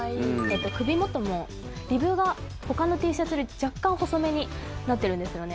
首元もリブがほかのＴシャツより若干、細めになっているんですよね。